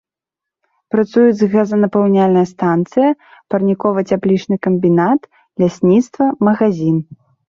Працуюць газанапаўняльная станцыя, парнікова-цяплічны камбінат, лясніцтва, магазін.